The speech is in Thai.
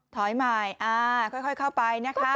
ถอยใหม่ค่อยเข้าไปนะคะ